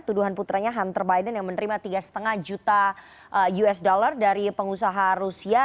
tuduhan putranya hunter biden yang menerima tiga lima juta usd dari pengusaha rusia